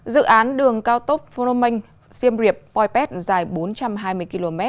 dự án đường cao tốc phonomenh siemriap poipet dài bốn trăm hai mươi km